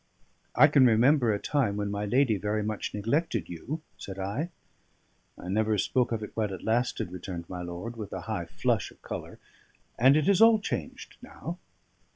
"I can remember a time when my lady very much neglected you," said I. "I never spoke of it while it lasted," returned my lord, with a high flush of colour; "and it is all changed now."